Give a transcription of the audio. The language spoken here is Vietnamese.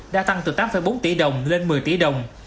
đã tăng từ tám bốn tỷ đồng lên một mươi tỷ đồng